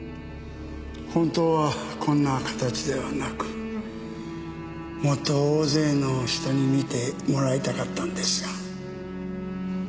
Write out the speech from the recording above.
本当はこんな形ではなくもっと大勢の人に見てもらいたかったのですが。